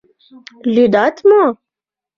— Лӱдат мо?